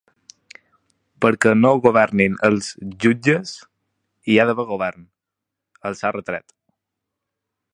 Perquè no governin els jutges hi ha d’haver govern, els ha retret.